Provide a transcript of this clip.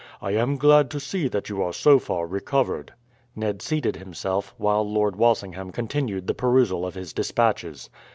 I am glad to see that you are so far recovered." Ned seated himself, while Lord Walsingham continued the perusal of his despatches.